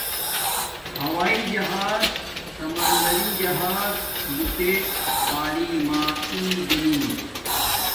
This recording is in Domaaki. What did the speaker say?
ہوایݵ جہاز۔ سمندری جہاز۔ بوٹے تعلیم ما اݷ دنن